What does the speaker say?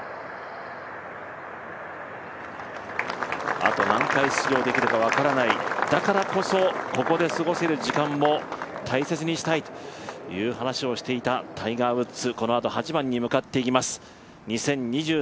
あと何回出場できるか分からないだからこそ、ここで過ごせる時間も大切にしたいという話をしていたタイガー・ウッズ。